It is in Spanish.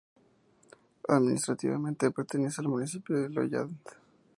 Administrativamente, pertenece al municipio de Lolland.